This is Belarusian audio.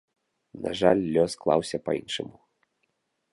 На жаль, лёс склаўся па-іншаму.